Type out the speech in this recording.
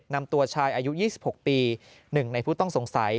นำตัวชายอายุ๒๖ปี๑ในผู้ต้องสงสัย